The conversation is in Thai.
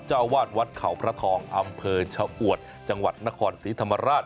เจ้าวาดวัดเขาพระทองอำเภอชะอวดจังหวัดนครศรีธรรมราช